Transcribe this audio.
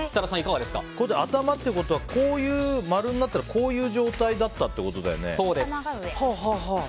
頭っていうことはこういう丸になっててこういう状態だったということだよね。